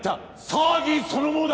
詐欺そのものだ！